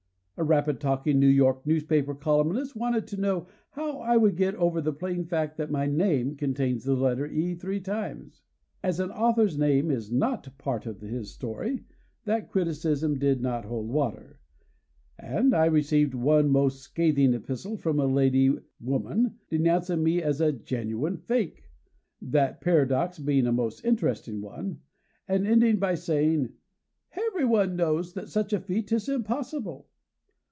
A rapid talking New York newspaper columnist wanted to know how I would get over the plain fact that my name contains the letter E three times. As an author's name is not a part of his story, that criticism did not hold water. And I received one most scathing epistle from a lady (woman!) denouncing me as a "genuine fake;" (that paradox being a most interesting one!), and ending by saying: "Everyone knows that such a feat is impossible."